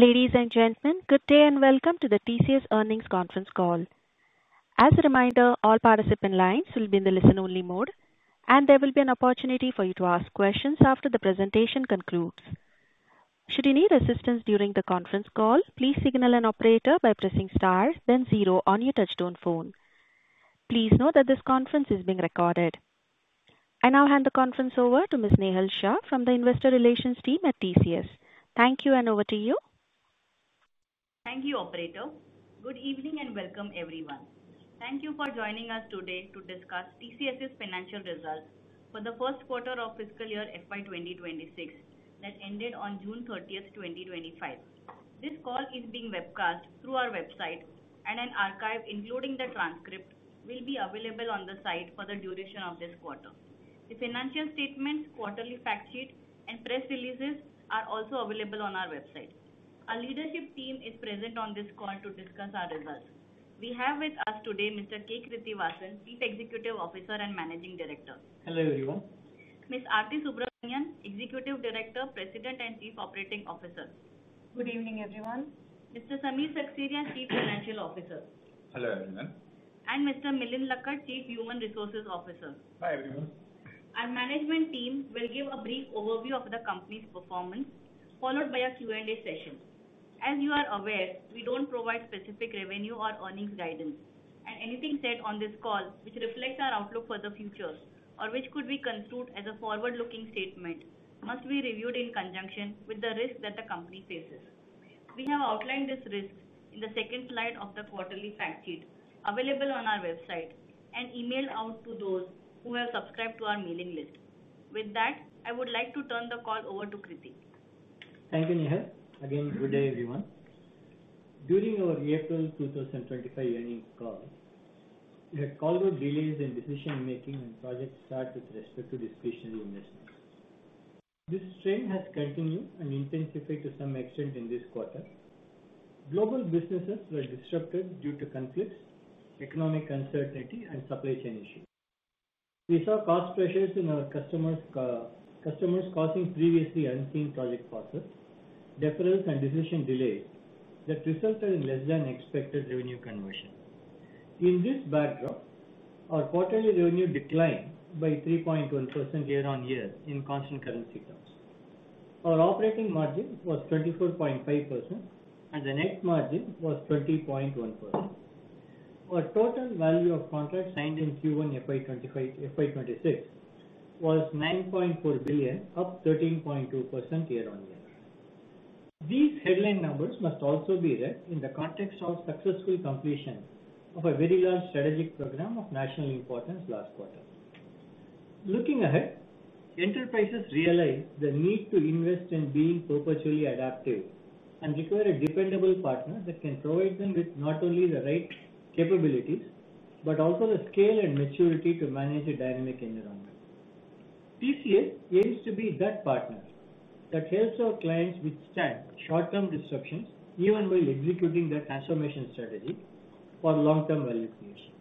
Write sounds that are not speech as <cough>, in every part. Ladies and gentlemen, good day and welcome to the TCS Earnings Conference Call. As a reminder, all participant lines will be in the listen-only mode, and there will be an opportunity for you to ask questions after the presentation concludes. Should you need assistance during the conference call, please signal an operator by pressing *, then 0 on your touch-tone phone. Please note that this conference is being recorded. I now hand the conference over to Ms. Nehal Shah from the Investor Relations Team at TCS. Thank you, and over to you. Thank you, Operator. Good evening and welcome, everyone. Thank you for joining us today to discuss TCS's financial results for the first quarter of fiscal year 2026 that ended on June 30, 2025. This call is being webcast through our website, and an archive including the transcript will be available on the site for the duration of this quarter. The financial statements, quarterly fact sheet, and press releases are also available on our website. Our leadership team is present on this call to discuss our results. We have with us today Mr. K. Krithivasan, Chief Executive Officer and Managing Director. Hello, everyone. Ms. Aarthi Subramanian, Executive Director, President and Chief Operating Officer. Good evening, everyone. Mr. Samir Seksaria, Chief Financial Officer. Hello, everyone. Mr. Milind Lakkad, Chief Human Resources Officer. Hi, everyone. Our management team will give a brief overview of the company's performance, followed by a Q&A session. As you are aware, we don't provide specific revenue or earnings guidance, and anything said on this call, which reflects our outlook for the future or which could be construed as a forward-looking statement, must be reviewed in conjunction with the risks that the company faces. We have outlined these risks in the second slide of the quarterly fact sheet available on our website and emailed out to those who have subscribed to our mailing list. With that, I would like to turn the call over to Krithi. Thank you, Nehal. Again, good day, everyone. During our April 2025 earnings call, we had call-out delays in decision-making and project start with respect to discretionary investments. This trend has continued and intensified to some extent in this quarter. Global businesses were disrupted due to conflicts, economic uncertainty, and supply chain issues. We saw cost pressures in our customers causing previously unseen project costs, deferrals, and decision delays that resulted in less-than-expected revenue conversion. In this backdrop, our quarterly revenue declined by 3.1% year-on-year in constant currency terms. Our operating margin was 24.5%, and the net margin was 20.1%. Our total value of contracts signed in Q1 FY 2026 was $9.4 billion, up 13.2% year-on-year. These headline numbers must also be read in the context of successful completion of a very large strategic program of national importance last quarter. Looking ahead, enterprises realize the need to invest in being perpetually adaptive and require a dependable partner that can provide them with not only the right capabilities but also the scale and maturity to manage a dynamic environment. TCS aims to be that partner that helps our clients withstand short-term disruptions even while executing their transformation strategy for long-term value creation.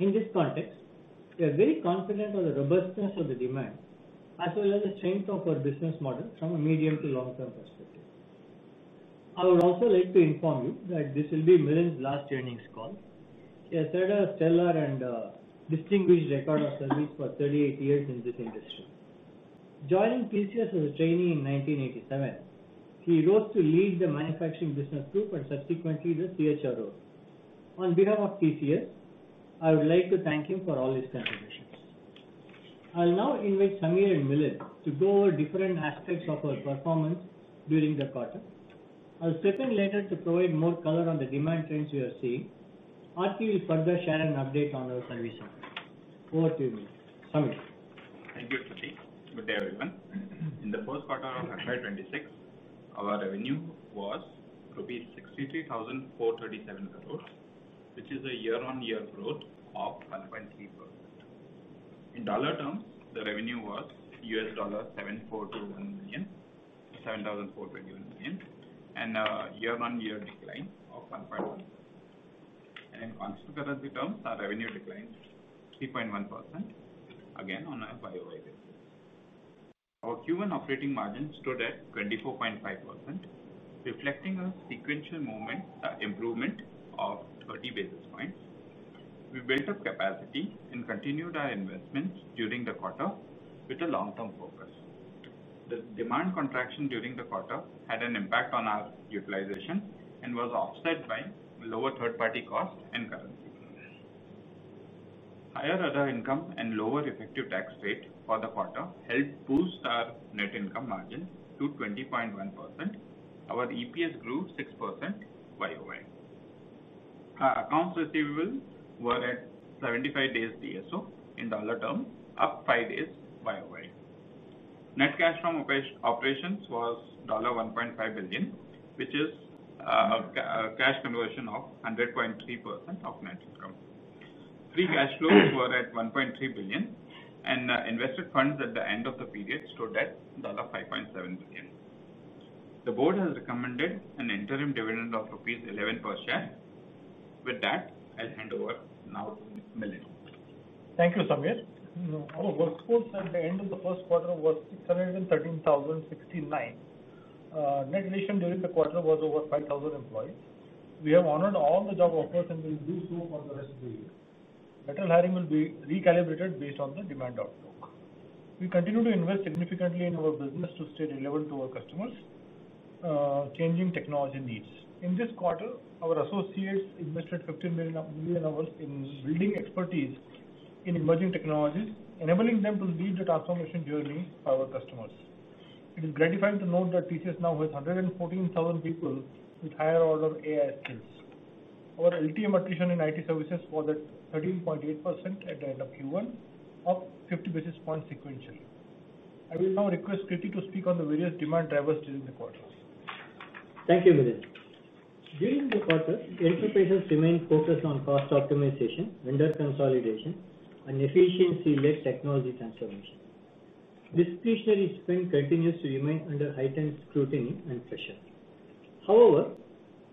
In this context, we are very confident of the robustness of the demand as well as the strength of our business model from a medium to long-term perspective. I would also like to inform you that this will be Milind's last earnings call. He has had a stellar and distinguished record of service for 38 years in this industry. Joining TCS as a trainee in 1987, he rose to lead the manufacturing business group and subsequently the CHRO. On behalf of TCS, I would like to thank him for all his contributions. I'll now invite Samir and Milind to go over different aspects of our performance during the quarter. I'll step in later to provide more color on the demand trends we are seeing. Aarthi will further share an update on our service offering. Over to you, Samir. Thank you, Krithi. Good day, everyone. In the first quarter of FY 2026, our revenue was rupees 63,437 crore, which is a year-on-year growth of 1.3%. In dollar terms, the revenue was $7,421 million, $7,421 million, and a year-on-year decline of 1.1%. In constant currency terms, our revenue declined 3.1%, again on a bi-yearly basis. Our Q1 operating margin stood at 24.5%, reflecting a sequential movement, improvement of 30 basis points. We built up capacity and continued our investments during the quarter with a long-term focus. The demand contraction during the quarter had an impact on our utilization and was offset by lower third-party costs and currency. Higher other income and lower effective tax rate for the quarter helped boost our net income margin to 20.1%. Our EPS grew 6% bi-yearly. Our accounts receivable were at 75 days DSO in dollar term, up 5 days bi-yearly. Net cash from operations was $1.5 billion, which is a cash conversion of 100.3% of net income. Free cash flows were at $1.3 billion, and invested funds at the end of the period stood at $5.7 billion. The board has recommended an interim dividend of rupees 11 per share. With that, I'll hand over now to Milind. Thank you, Samir. Our workforce at the end of the first quarter was 613,069. Net addition during the quarter was over 5,000 employees. We have honored all the job offers and will do so for the rest of the year. Lateral hiring will be recalibrated based on the demand outlook. We continue to invest significantly in our business to stay relevant to our customers' changing technology needs. In this quarter, our associates invested 15 million hours in building expertise in emerging technologies, enabling them to lead the transformation journey for our customers. It is gratifying to note that TCS now has 114,000 people with higher-order AI skills. Our LTM attrition in IT services was at 13.8% at the end of Q1, up 50 basis points sequentially. I will now request Krithi to speak on the various demand drivers during the quarter. Thank you, Milind. During the quarter, enterprises remained focused on cost optimization, vendor consolidation, and efficiency-led technology transformation. Discretionary spend continues to remain under heightened scrutiny and pressure. However,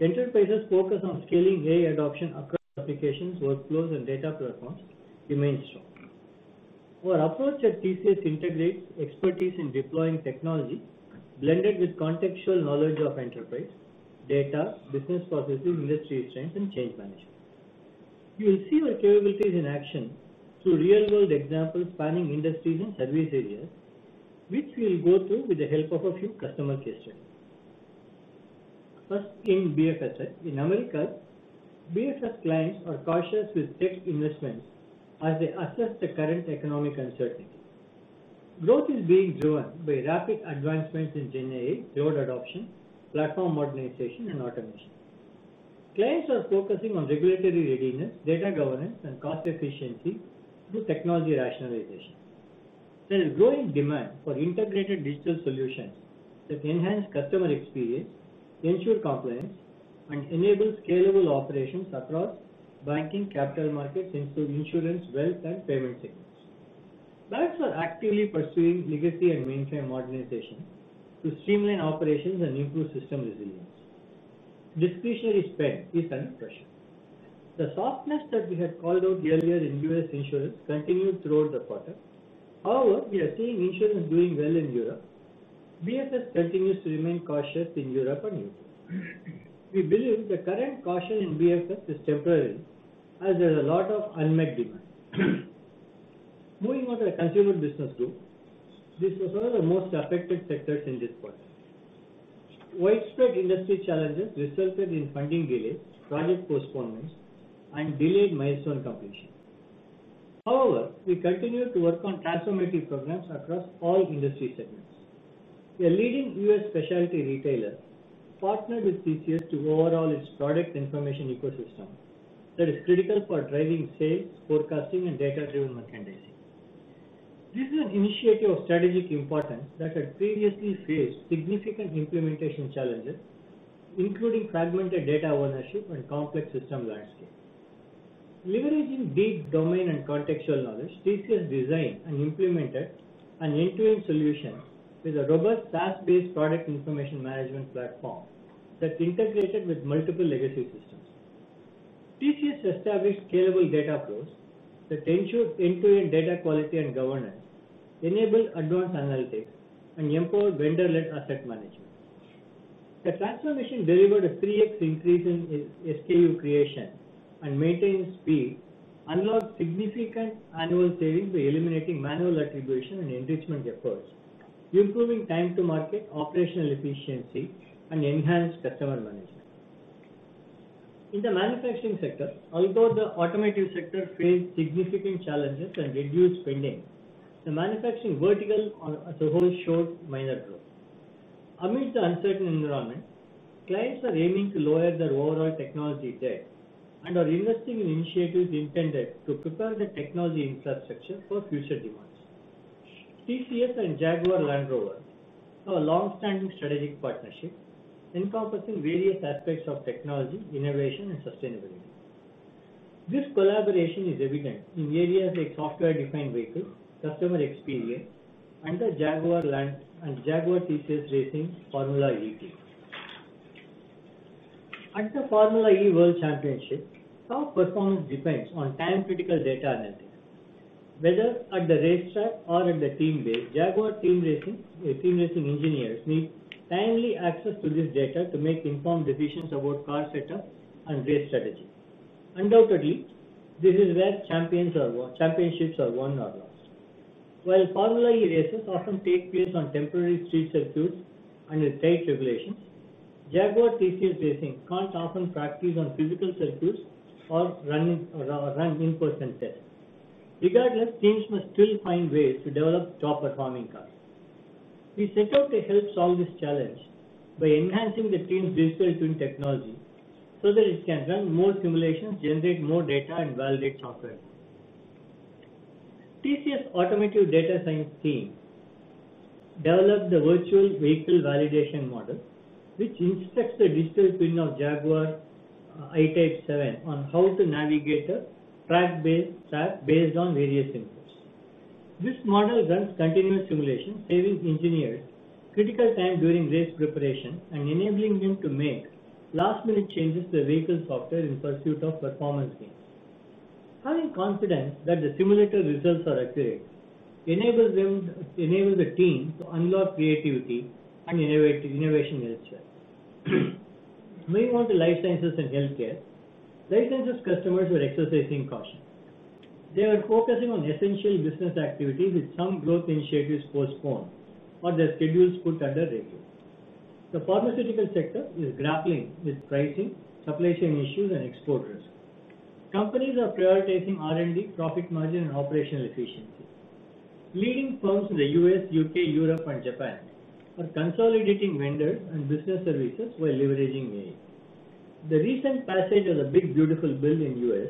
enterprises' focus on scaling AI adoption across applications, workflows, and data platforms remains strong. Our approach at TCS integrates expertise in deploying technology blended with contextual knowledge of enterprise, data, business processes, industry strength, and change management. You will see our capabilities in action through real-world examples spanning industries and service areas, which we'll go through with the help of a few customer case studies. First, in BFS, in America, BFS clients are cautious with tech investments as they assess the current economic uncertainty. Growth is being driven by rapid advancements in GenAI, cloud adoption, platform modernization, and automation. Clients are focusing on regulatory readiness, data governance, and cost efficiency through technology rationalization. There is growing demand for integrated digital solutions that enhance customer experience, ensure compliance, and enable scalable operations across banking, capital markets, insurance, wealth, and payment segments. Banks are actively pursuing legacy and mainframe modernization to streamline operations and improve system resilience. Discretionary spend is under pressure. The softness that we had called out earlier in U.S. insurance continued throughout the quarter. However, we are seeing insurance doing well in Europe. BFS continues to remain cautious in Europe and Europe. We believe the current caution in BFS is temporary as there is a lot of unmet demand. Moving on to the consumer business group, this was one of the most affected sectors in this quarter. Widespread industry challenges resulted in funding delays, project postponements, and delayed milestone completion. However, we continue to work on transformative programs across all industry segments. A leading US specialty retailer partnered with TCS to overhaul its product information ecosystem that is critical for driving sales, forecasting, and data-driven merchandising. This is an initiative of strategic importance that had previously faced significant implementation challenges, including fragmented data ownership and complex system landscape. Leveraging deep domain and contextual knowledge, TCS designed and implemented an end-to-end solution with a robust SaaS-based product information management platform that integrated with multiple legacy systems. TCS established scalable data flows that ensured end-to-end data quality and governance, enabled advanced analytics, and empowered vendor-led asset management. The transformation delivered a 3x increase in SKU creation and maintenance speed, unlocked significant annual savings by eliminating manual attribution and enrichment efforts, improving time-to-market operational efficiency, and enhanced customer management. In the manufacturing sector, although the automotive sector faced significant challenges and reduced spending, the manufacturing vertical as a whole showed minor growth. Amidst the uncertain environment, clients are aiming to lower their overall technology debt and are investing in initiatives intended to prepare the technology infrastructure for future demands. TCS and Jaguar Land Rover have a long-standing strategic partnership encompassing various aspects of technology, innovation, and sustainability. This collaboration is evident in areas like software-defined vehicles, customer experience, and the Jaguar TCS Racing Formula E team. At the Formula E World Championship, our performance depends on time-critical data analytics. Whether at the racetrack or at the team base, Jaguar team racing engineers need timely access to this data to make informed decisions about car setup and race strategy. Undoubtedly, this is where championships are won or lost. While Formula E races often take place on temporary street circuits under tight regulations, Jaguar TCS Racing can't often practice on physical circuits or run in-person tests. Regardless, teams must still find ways to develop top-performing cars. We set out to help solve this challenge by enhancing the team's digital twin technology so that it can run more simulations, generate more data, and validate software. TCS Automotive Data Science Team developed the virtual vehicle validation model, which inspects the digital twin of Jaguar I-Type 7 on how to navigate a track-based app based on various inputs. This model runs continuous simulation, saving engineers critical time during race preparation and enabling them to make last-minute changes to the vehicle software in pursuit of performance gains. Having confidence that the simulator results are accurate enables the team to unlock creativity and innovation as well. Moving on to life sciences and healthcare, life sciences customers were exercising caution. They were focusing on essential business activities with some growth initiatives postponed or their schedules put under review. The pharmaceutical sector is grappling with pricing, supply chain issues, and export risks. Companies are prioritizing R&D, profit margin, and operational efficiency. Leading firms in the U.S., U.K., Europe, and Japan are consolidating vendors and business services while leveraging AI. The recent passage of the Big Beautiful Bill in the U.S.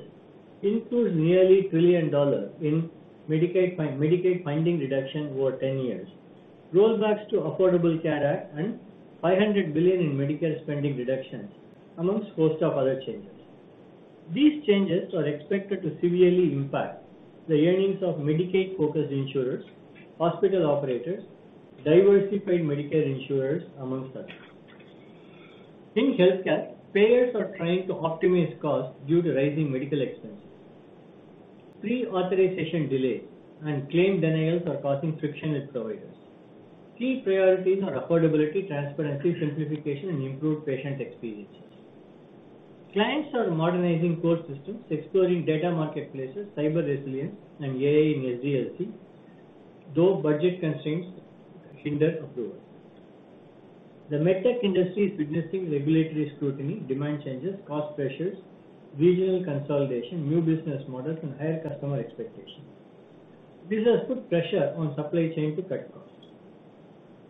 includes nearly $1 trillion in Medicaid funding reduction over 10 years, rollbacks to Affordable Care Act, and $500 billion in Medicare spending reductions amongst a host of other changes. These changes are expected to severely impact the earnings of Medicaid-focused insurers, hospital operators, diversified Medicare insurers, amongst others. In healthcare, payers are trying to optimize costs due to rising medical expenses. Pre-authorization delays and claim denials are causing friction with providers. Key priorities are affordability, transparency, simplification, and improved patient experiences. Clients are modernizing core systems, exploring data marketplaces, cyber resilience, and AI in SDLC, though budget constraints hinder approval. The MedTech industry is witnessing regulatory scrutiny, demand changes, cost pressures, regional consolidation, new business models, and higher customer expectations. This has put pressure on supply chain to cut costs.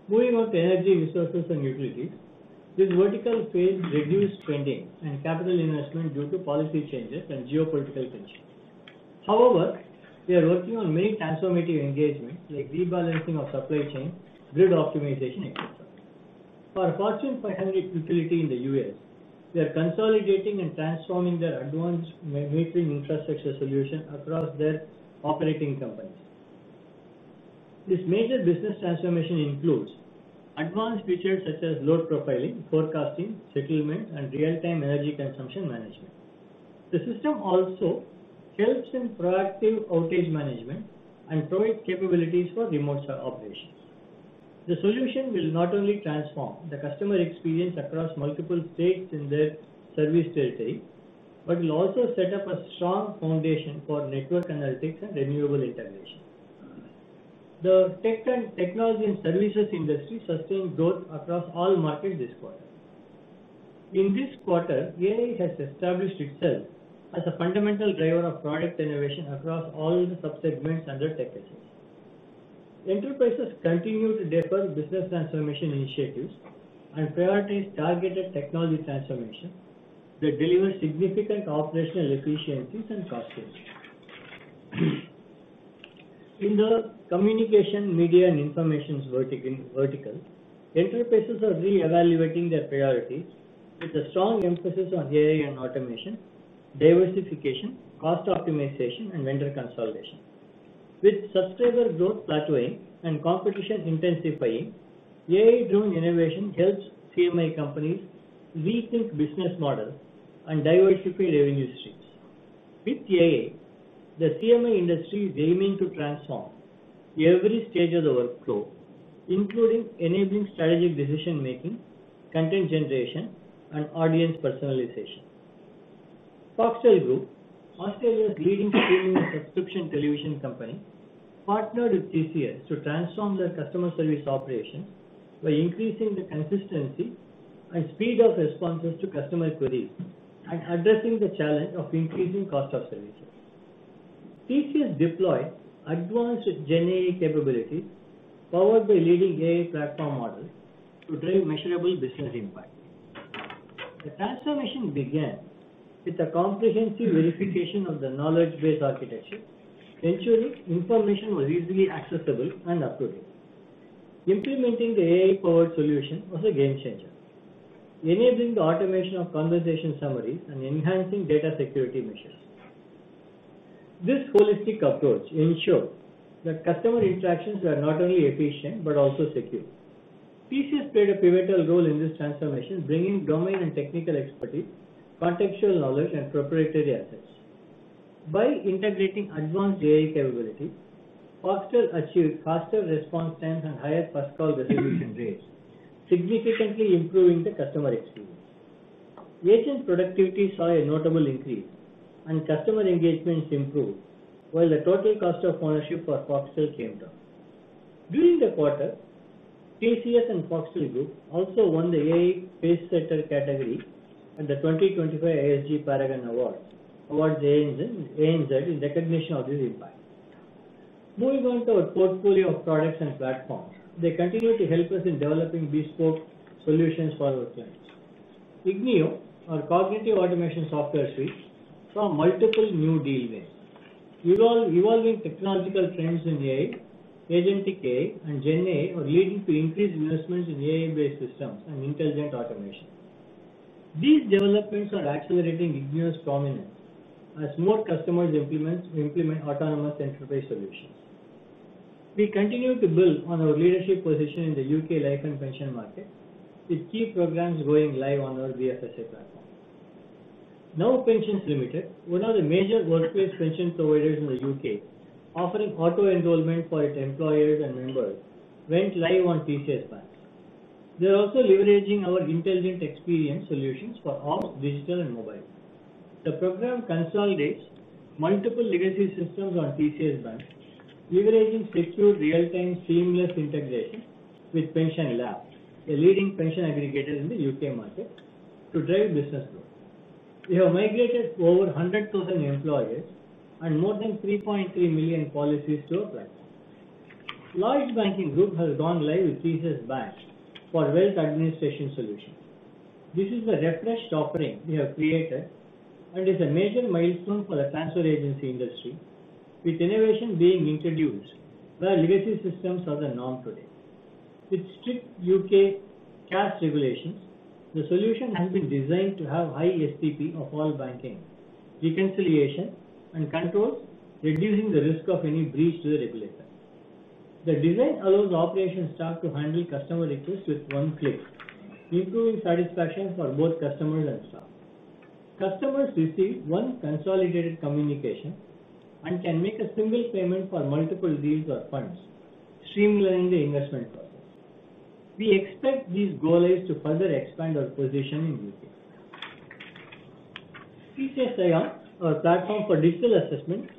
Moving on to energy resources and utilities, this vertical phase reduced spending and capital investment due to policy changes and geopolitical tensions. However, they are working on many transformative engagements like rebalancing of supply chain, grid optimization, etc. For a Fortune 500 utility in the US, they are consolidating and transforming their advanced metering infrastructure solution across their operating companies. This major business transformation includes advanced features such as load profiling, forecasting, settlement, and real-time energy consumption management. The system also helps in proactive outage management and provides capabilities for remote operations. The solution will not only transform the customer experience across multiple states in their service territory but will also set up a strong foundation for network analytics and renewable integration. The tech and technology and services industry sustained growth across all markets this quarter. In this quarter, AI has established itself as a fundamental driver of product innovation across all the subsegments under tech assets. Enterprises continue to defer business transformation initiatives and prioritize targeted technology transformation that delivers significant operational efficiencies and cost savings. In the communication, media, and information vertical, enterprises are re-evaluating their priorities with a strong emphasis on AI and automation, diversification, cost optimization, and vendor consolidation. With subscriber growth plateauing and competition intensifying, AI-driven innovation helps CMI companies rethink business models and diversify revenue streams. With AI, the CMI industry is aiming to transform, every stage of the workflow, including enabling strategic decision-making, content generation, and audience personalization. Foxtel Group, Australia's leading streaming and subscription television company, partnered with TCS to transform their customer service operations by increasing the consistency and speed of responses to customer queries and addressing the challenge of increasing cost of services. TCS deployed advanced GenAI capabilities powered by leading AI platform models to drive measurable business impact. The transformation began with a comprehensive verification of the knowledge-based architecture, ensuring information was easily accessible and up to date. Implementing the AI-powered solution was a game changer, enabling the automation of conversation summaries and enhancing data security measures. This holistic approach ensured that customer interactions were not only efficient but also secure. TCS played a pivotal role in this transformation, bringing domain and technical expertise, contextual knowledge, and proprietary assets. By integrating advanced AI capabilities, Foxtel achieved faster response times and higher first-call resolution rates, significantly improving the customer experience. Agent productivity saw a notable increase, and customer engagements improved while the total cost of ownership for Foxtel came down. During the quarter, TCS and Foxtel Group also won the AI Face Setter category at the 2025 ISG Paragon Awards ANZ in recognition of this impact. Moving on to our portfolio of products and platforms, they continue to help us in developing bespoke solutions for our clients. ignio, our cognitive automation software suite, saw multiple new dealways. Evolving technological trends in AI, agentic AI, and GenAI are leading to increased investments in AI-based systems and intelligent automation. These developments are accelerating ignio's prominence as more customers implement autonomous enterprise solutions. We continue to build on our leadership position in the U.K. life and pension market with key programs going live on our BFSI platform. Now Pensions Limited, one of the major workplace pension providers in the U.K., offering auto-enrollment for its employers and members, went live on TCS BaNCS. They're also leveraging our intelligent experience solutions for ops, digital, and mobile. The program consolidates multiple legacy systems on TCS BaNCS, leveraging secure real-time seamless integration with Pension Lab, a leading pension aggregator in the U.K. market, to drive business growth. We have migrated over 100,000 employers and more than 3.3 million policies to our platform. Lloyds Banking Group has gone live with TCS BaNCS for wealth administration solutions. This is the refreshed offering we have created and is a major milestone for the transfer agency industry, with innovation being introduced where legacy systems are the norm today. With strict U.K. CAS regulations, the solution has been designed to have high STP of all banking, reconciliation, and controls, reducing the risk of any breach to the regulations. The design allows operations staff to handle customer requests with one click, improving satisfaction for both customers and staff. Customers receive one consolidated communication and can make a single payment for multiple deals or funds, streamlining the investment process. We expect these go-lives to further expand our position in the U.K. TCS iON, our platform for digital assessment,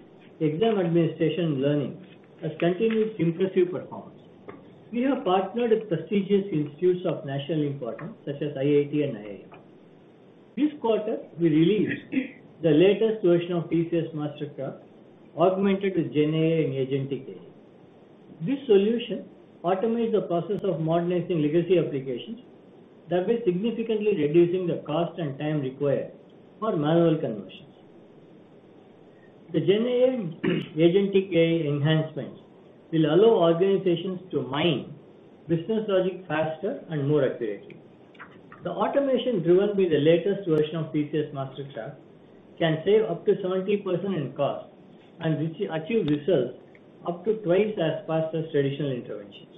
exam administration, and learning, has continued impressive performance. We have partnered with prestigious institutes of national importance such as IIT and IIA. This quarter, we released the latest version of TCS MasterCraft, augmented with GenAI and agentic AI. This solution automates the process of modernizing legacy applications that will significantly reduce the cost and time required for manual conversions. The GenAI and agentic AI enhancements will allow organizations to mine business logic faster and more accurately. The automation driven by the latest version of TCS MasterCraft can save up to 70% in cost and achieve results up to twice as fast as traditional interventions.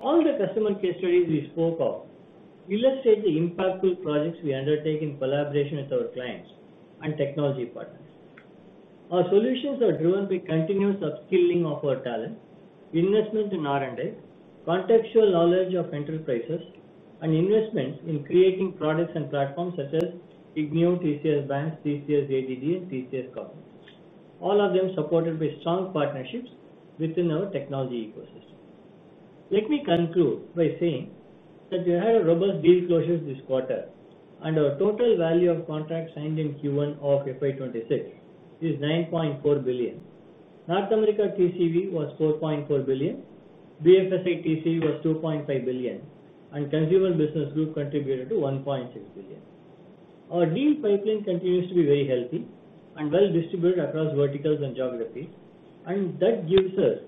All the customer case studies we spoke of illustrate the impactful projects we undertake in collaboration with our clients and technology partners. Our solutions are driven by continuous upskilling of our talent, investment in R&D, contextual knowledge of enterprises, and investments in creating products and platforms such as ignio, TCS BaNCS, TCS JDD, and TCS Cognix, all of them supported by strong partnerships within our technology ecosystem. Let me conclude by saying that we had robust deal closures this quarter, and our total value of contracts signed in Q1 of FY2026 is $9.4 billion. North America TCV was $4.4 billion, BFSA TCV was $2.5 billion, and Consumer Business Group contributed to $1.6 billion. Our deal pipeline continues to be very healthy and well distributed across verticals and geographies, and that gives us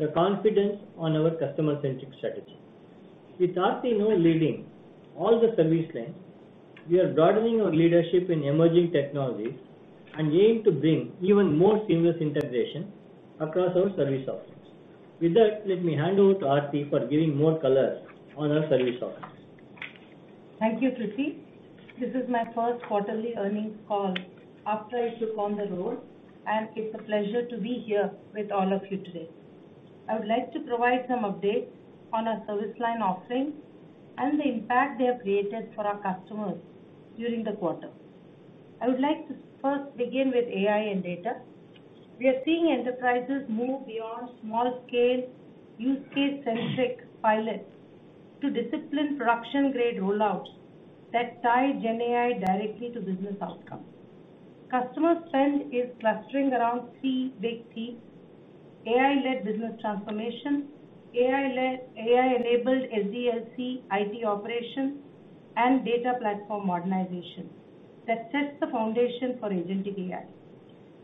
the confidence on our customer-centric strategy. With Aarthi now leading all the service lanes, we are broadening our leadership in emerging technologies and aim to bring even more seamless integration across our service offerings. With that, let me hand over to Aarthi for giving more colors on our service offerings. Thank you, Krithi. This is my first quarterly earnings call after I took on the role, and it's a pleasure to be here with all of you today. I would like to provide some updates on our service line offerings and the impact they have created for our customers during the quarter. I would like to first begin with AI and data. We are seeing enterprises move beyond small-scale use case-centric pilots to discipline production-grade rollouts that tie GenAI directly to business outcomes. Customer spend is clustering around three big themes: AI-led business transformation, AI-enabled SDLC, IT operation, and data platform modernization that sets the foundation for agentic AI.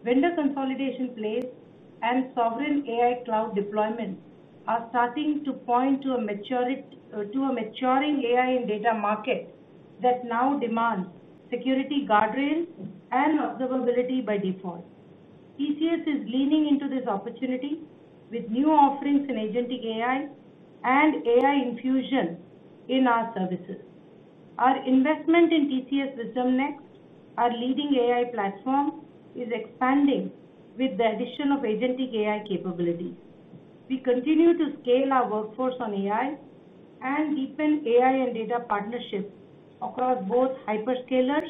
Vendor consolidation plays and sovereign AI cloud deployments are starting to point to a maturing AI and data market that now demands security guardrails and observability by default. TCS is leaning into this opportunity with new offerings in agentic AI and AI infusion in our services. Our investment in TCS WisdomNext, our leading AI platform, is expanding with the addition of agentic AI capabilities. We continue to scale our workforce on AI and deepen AI and data partnerships across both hyperscalers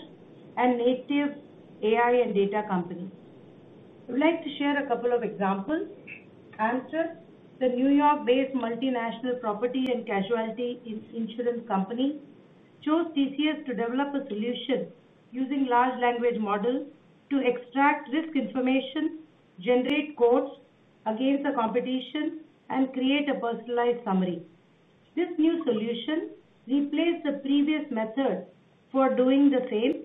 and native AI and data companies. I would like to share a couple of examples. AmTrust, the New York-based multinational property and casualty insurance company, chose TCS to develop a solution using large language models to extract risk information, generate quotes against the competition, and create a personalized summary. This new solution replaced the previous method for doing the same,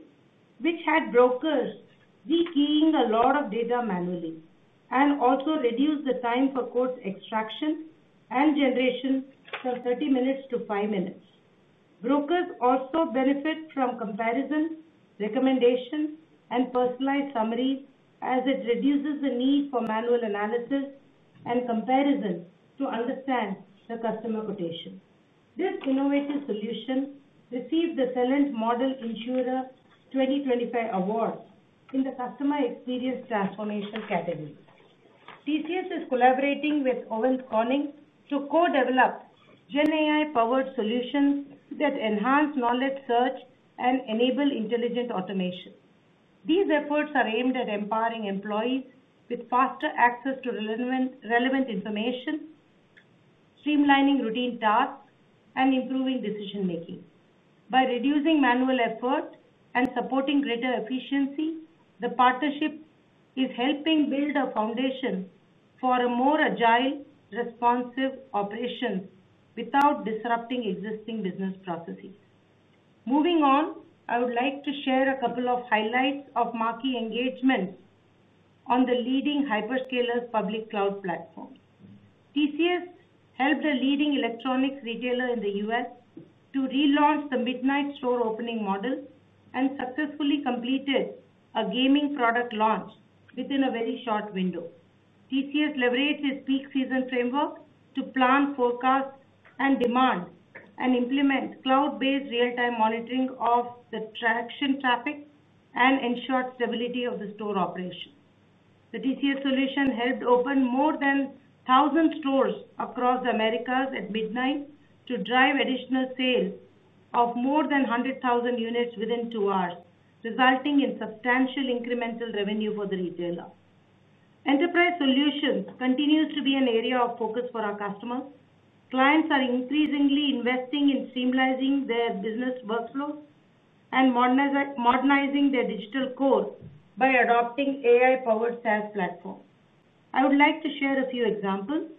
which had brokers re-keying a lot of data manually and also reduced the time for quotes extraction and generation from 30 minutes to 5 minutes. Brokers also benefit from comparison, recommendation, and personalized summaries as it reduces the need for manual analysis and comparison to understand the customer quotation. This innovative solution received the Celent Model Insurer 2025 Award in the Customer Experience Transformation category. TCS is collaborating with Owens Corning to co-develop GenAI-powered solutions that enhance knowledge search and enable intelligent automation. These efforts are aimed at empowering employees with faster access to relevant information, streamlining routine tasks, and improving decision-making. By reducing manual effort and supporting greater efficiency, the partnership is helping build a foundation for a more agile, responsive operation without disrupting existing business processes. Moving on, I would like to share a couple of highlights of marquee engagement. On the leading Hyperscaler Public Cloud platforms, TCS helped the leading electronics retailer in the US to relaunch the midnight store opening model and successfully completed a gaming product launch within a very short window. TCS leveraged its peak season framework to plan forecasts and demand and implement cloud-based real-time monitoring of the traction, traffic, and ensured stability of the store operation. The TCS solution helped open more than 1,000 stores across the Americas at midnight to drive additional sales of more than 100,000 units within two hours, resulting in substantial incremental revenue for the retailer. Enterprise Solutions continue to be an area of focus for our customers. Clients are increasingly investing in streamlining their business workflows and modernizing their digital core by adopting AI-powered SaaS platforms. I would like to share a few examples.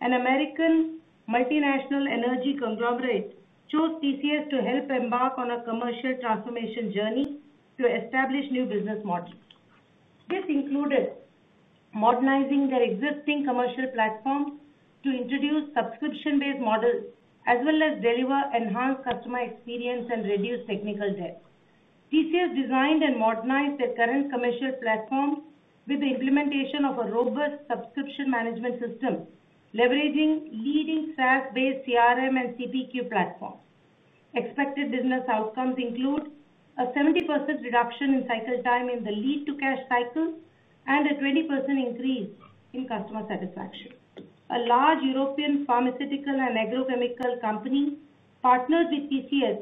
An American multinational energy conglomerate chose TCS to help embark on a commercial transformation journey to establish new business models. This included modernizing their existing commercial platforms to introduce subscription-based models as well as deliver enhanced customer experience and reduce technical debt. TCS designed and modernized their current commercial platforms with the implementation of a robust subscription management system, leveraging leading SaaS-based CRM and CPQ platforms. Expected business outcomes include a 70% reduction in cycle time in the lead-to-cash cycle and a 20% increase in customer satisfaction. A large European pharmaceutical and agrochemical company partnered with TCS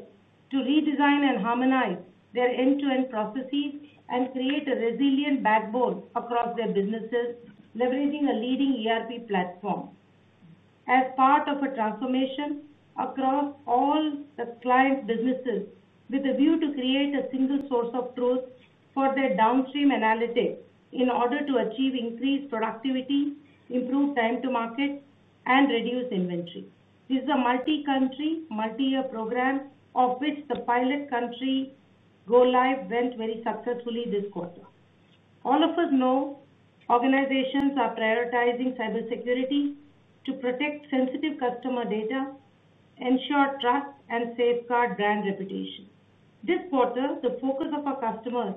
to redesign and harmonize their end-to-end processes and create a resilient backbone across their businesses, leveraging a leading ERP platform. As part of a transformation across all the client businesses, with a view to create a single source of truth for their downstream analytics in order to achieve increased productivity, improve time to market, and reduce inventory. This is a multi-country, multi-year program, of which the pilot country go-live went very successfully this quarter. \ All of us know organizations are prioritizing cybersecurity to protect sensitive customer data, ensure trust, and safeguard brand reputation. This quarter, the focus of our customers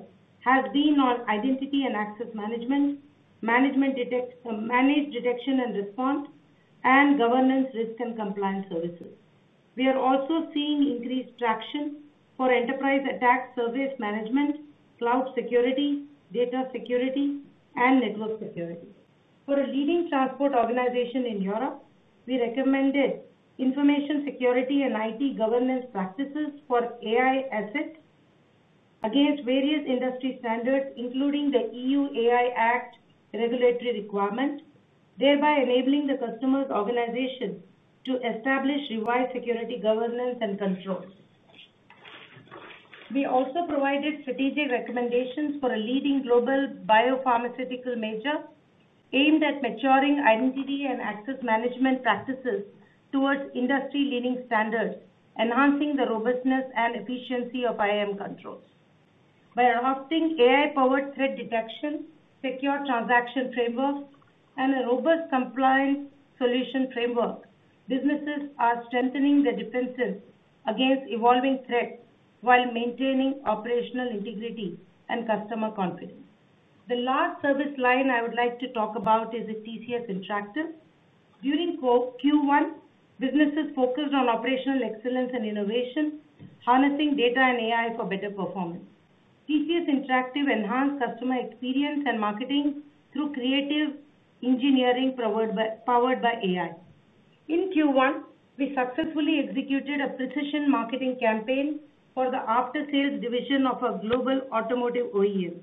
has been on identity and access management, managed detection and response, and governance risk and compliance services. We are also seeing increased traction for enterprise attack surface management, cloud security, data security, and network security. For a leading transport organization in Europe, we recommended information security and IT governance practices for AI assets, against various industry standards, including the EU AI Act regulatory requirement, thereby enabling the customer's organization to establish revised security governance and controls. We also provided strategic recommendations for a leading global biopharmaceutical major aimed at maturing identity and access management practices towards industry-leading standards, enhancing the robustness and efficiency of IAM controls. By adopting AI-powered threat detection, secure transaction frameworks, and a robust compliance solution framework, businesses are strengthening their defenses against evolving threats while maintaining operational integrity and customer confidence. The last service line I would like to talk about is TCS Interactive. During Q1, businesses focused on operational excellence and innovation, harnessing data and AI for better performance. TCS Interactive enhanced customer experience and marketing through creative engineering powered by AI. In Q1, we successfully executed a precision marketing campaign for the after-sales division of a global automotive OEM.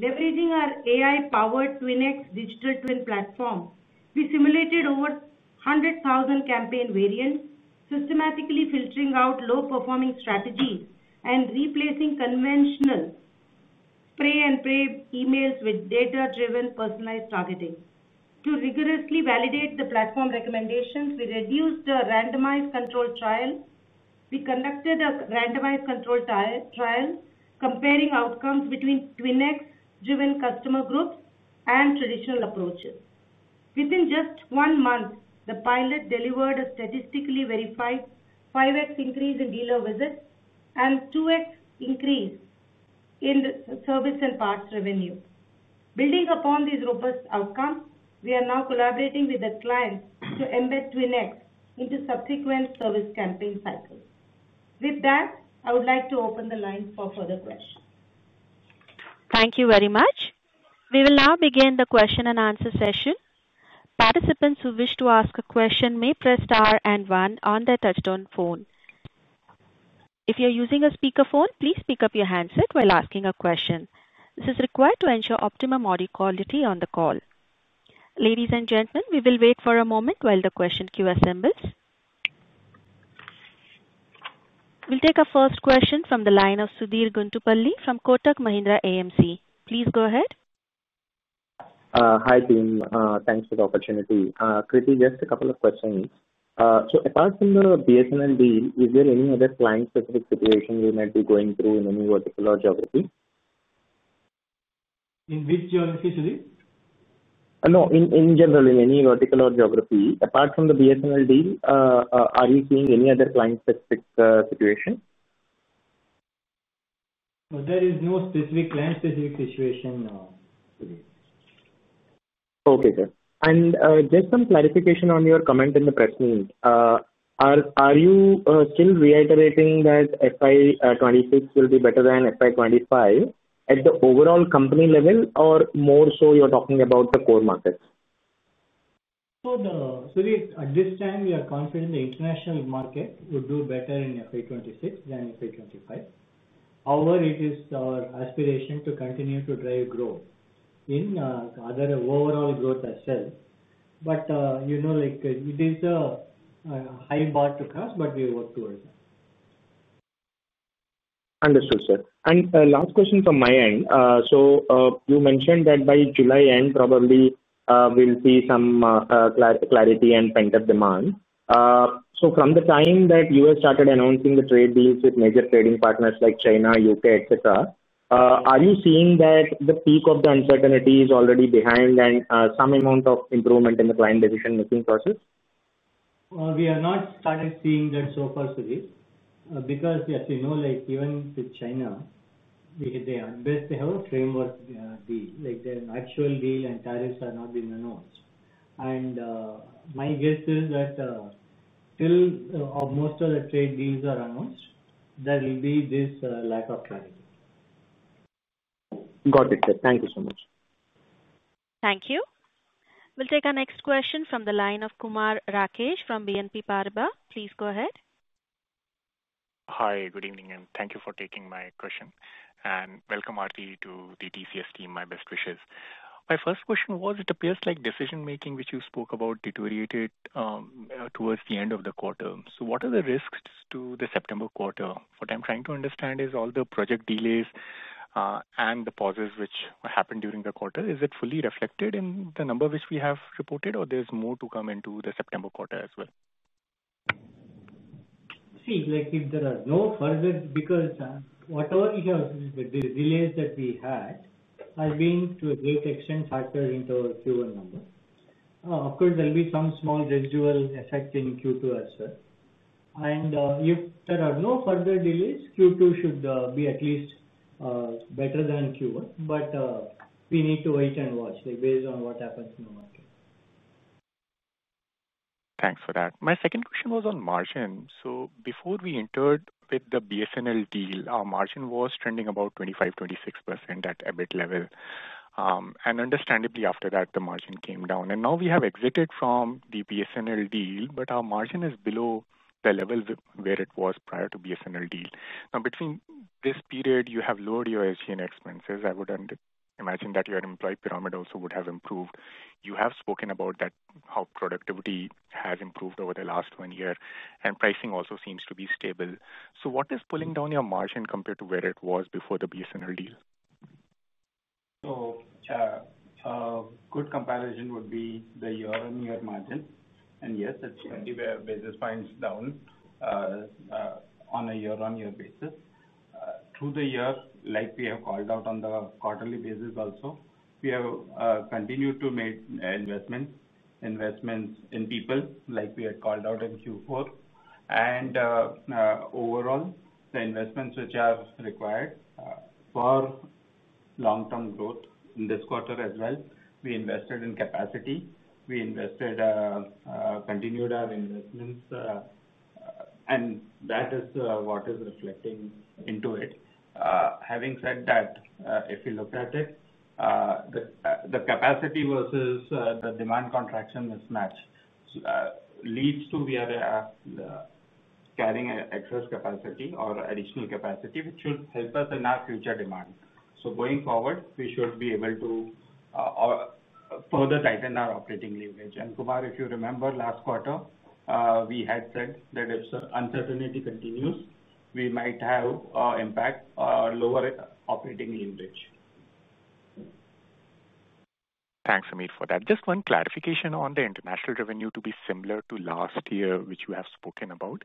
Leveraging our AI-powered TwinX Digital Twin platform, we simulated over 100,000 campaign variants, systematically filtering out low-performing strategies and replacing conventional prey-and-pray emails with data-driven personalized targeting. To rigorously validate the platform recommendations, we reduced the randomized control trial. We conducted a randomized control trial comparing outcomes between TwinX-driven customer groups and traditional approaches. Within just one month, the pilot delivered a statistically verified 5x increase in dealer visits and 2x increase in service and parts revenue. Building upon these robust outcomes, we are now collaborating with the client to embed TwinX into subsequent service campaign cycles. With that, I would like to open the line for further questions. Thank you very much. We will now begin the question and answer session. Participants who wish to ask a question may press * and 1 on their touchstone phone. If you're using a speakerphone, please pick up your handset while asking a question. This is required to ensure optimum audio quality on the call. Ladies and gentlemen, we will wait for a moment while the question queue assembles. We'll take our first question from the line of Sudhir Guntupalli from Kotak Mahindra AMC. Please go ahead. Hi, team. Thanks for the opportunity. Krithi, just a couple of questions. So apart from the BSNL deal, is there any other client-specific situation you might be going through in any vertical or geography? In which geography, Sudhir? No, in general, in any vertical or geography. Apart from the BSNL deal, are you seeing any other client-specific situation? There is no specific client-specific situation, no. Okay, sir. And just some clarification on your comment in the press meet. Are you still reiterating that FY'26 will be better than FY'25 at the overall company level, or more so you're talking about the core markets? Sudhir, at this time, we are confident the international market would do better in FY'26 than FY'25. However, it is our aspiration to continue to drive growth in other overall growth as well. It is a high bar to cross, but we work towards that. Understood, sir. Last question from my end. You mentioned that by July end, probably, there will be some clarity and pent-up demand. From the time that you started announcing the trade deals with major trading partners like China, U.K., etc., are you seeing that the peak of the uncertainty is already behind and some amount of improvement in the client decision-making process? We are not starting seeing that so far, Sudhir. Because, as you know, even with China, they have a framework deal. The actual deal and tariffs have not been announced. My guess is that till most of the trade deals are announced, there will be this lack of clarity. Got it, sir. Thank you so much. Thank you. We'll take our next question from the line of Kumar Rakesh from BNP Paribas. Please go ahead. Hi, good evening, and thank you for taking my question. And welcome, Aarthi, to the TCS team, my best wishes. My first question was, it appears like decision-making, which you spoke about, deteriorated towards the end of the quarter. What are the risks to the September quarter? What I'm trying to understand is all the project delays and the pauses which happened during the quarter. Is it fully reflected in the number which we have reported, or there's more to come into the September quarter as well? See, if there are no further because whatever issues with the delays that we had have been to a great extent factored into Q1 number. Of course, there'll be some small residual effect in Q2 as well. If there are no further delays, Q2 should be at least better than Q1, but we need to wait and watch based on what happens in the market. Thanks for that. My second question was on margin. Before we entered with the BSNL deal, our margin was trending about 25-26% at EBIT level. Understandably, after that, the margin came down. Now we have exited from the BSNL deal, but our margin is below the level where it was prior to the BSNL deal. Now, between this period, you have lowered your SG&A expenses. I would imagine that your employee pyramid also would have improved. You have spoken about how productivity has improved over the last one year, and pricing also seems to be stable. What is pulling down your margin compared to where it was before the BSNL deal? A good comparison would be the year-on-year margin. Yes, it is certainly where business finds down. On a year-on-year basis, through the year, like we have called out on the quarterly basis also, we have continued to make investments, investments in people, like we had called out in Q4. Overall, the investments which are required for long-term growth in this quarter as well. We invested in capacity. We invested, continued our investments, and that is what is reflecting into it. Having said that, if you look at it. The capacity versus the demand contraction mismatch leads to we are carrying excess capacity or additional capacity, which should help us in our future demand. Going forward, we should be able to further tighten our operating leverage. Kumar, if you remember, last quarter, we had said that if uncertainty continues, we might have an impact on lower operating leverage. Thanks, Samir, for that. Just one clarification on the international revenue to be similar to last year, which you have spoken about.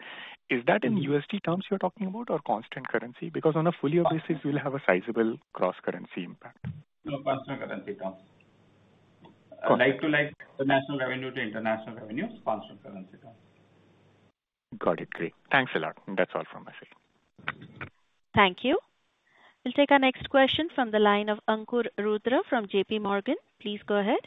Is that in USD terms you are talking about or constant currency? Because on a full-year basis, we will have a sizable cross-currency impact. No, constant currency terms. Like-to-like, the national revenue to international revenue is constant currency terms. Got it. Great. Thanks a lot. That is all from my side. Thank you. We will take our next question from the line of Ankur Rudra from JP Morgan. Please go ahead.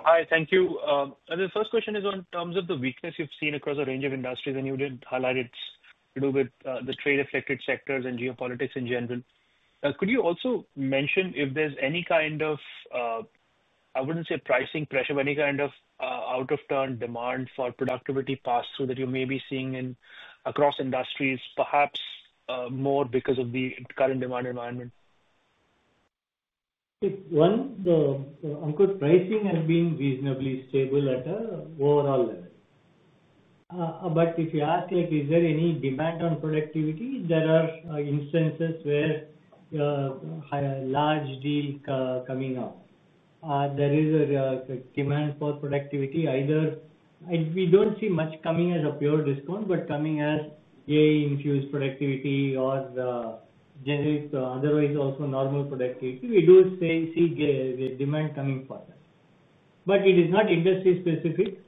Hi, thank you. The first question is on terms of the weakness you've seen across a range of industries, and you did highlight it's to do with the trade-affected sectors and geopolitics in general. Could you also mention if there's any kind of, I wouldn't say pricing pressure, but any kind of out-of-turn demand for productivity pass-through that you may be seeing across industries, perhaps more because of the current demand environment? One, the overall pricing has been reasonably stable at an overall level. If you ask, is there any demand on productivity, there are instances where large deals are coming up. There is a demand for productivity. We don't see much coming as a pure discount, but coming as AI-infused productivity or otherwise also normal productivity, we do see demand coming for that. It is not industry-specific.